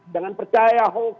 jangan percaya hoax